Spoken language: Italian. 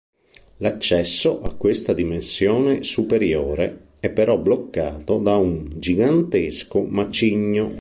L'accesso a questa dimensione superiore è però bloccato da un gigantesco macigno.